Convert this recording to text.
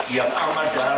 yang aman dalam